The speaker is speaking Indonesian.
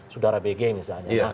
sudara bg misalnya